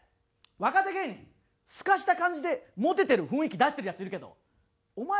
若手芸人すかした感じでモテてる雰囲気出してるヤツいるけどお前